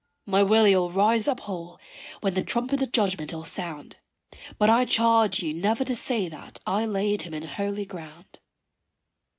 My Willy 'ill rise up whole when the trumpet of judgment 'ill sound, But I charge you never to say that I laid him in holy ground.